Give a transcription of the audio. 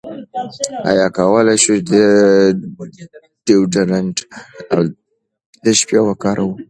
ایا کولی شو ډیوډرنټ د شپې وکاروو؟